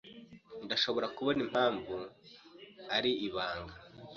Ndashobora kubona impamvu ari ibanga.